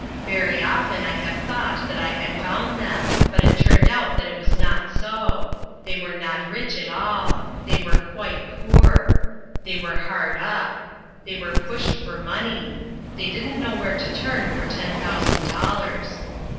Very often I have thought that I had found them. But it turned out that it was not so. They were not rich at all. They were quite poor. They were hard up. They were pushed for money. They didn't know where to turn for ten thousand dollars.